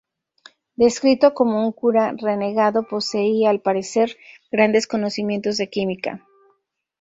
Descrito como un cura "renegado", poseía, al parecer, grandes conocimientos de química.